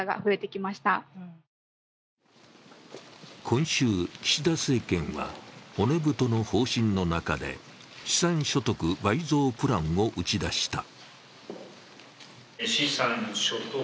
今週、岸田政権は骨太の方針の中で資産所得倍増プランを打ち出した。